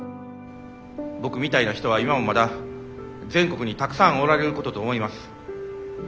僕みたいな人は今もまだ全国にたくさんおられることと思います。